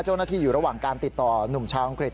เจ้าหน้าที่อยู่ระหว่างการติดต่อนุ่มชาวอังกฤษ